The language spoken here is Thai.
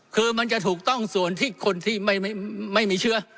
คือมันจะถูกต้องส่วนที่คนที่ไม่มีเชื้อ